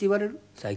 最近。